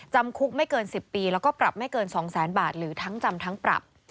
จำคุกไม่เกิน๑๐ปีแล้วก็ปรับไม่เกิน๒แสนบาทหรือทั้งจำทั้งปรับ